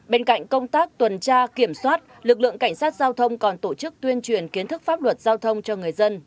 bên cạnh công tác tuần tra kiểm soát lực lượng cảnh sát giao thông còn tổ chức tuyên truyền kiến thức pháp luật giao thông cho người dân